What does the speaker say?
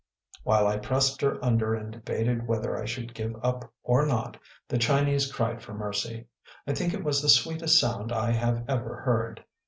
While I pressed her under and debated whether I should give up or not, the Chinese cried for mercy. I think it was the sweetest sound I have ever heard.